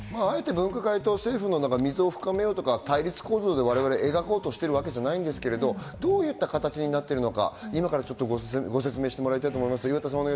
あえて、分科会と政府の溝を深めようとか、対立構造で描こうとしてるわけではないんですけど、どういう形になっているのか、ご説明してもらいたいと思います。